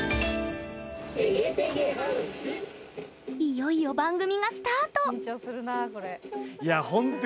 いよいよ番組がスタート。